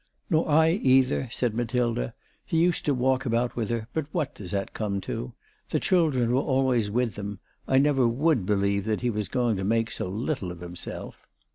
"Nor I either," said Matida. "He used to walk about with her, but what does that come to ? The children were always with them. I never would believe that he was going to make so little of himself."